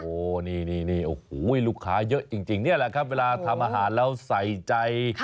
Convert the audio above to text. โอ้โหนี่โอ้โหลูกค้าเยอะจริงนี่แหละครับเวลาทำอาหารแล้วใส่ใจ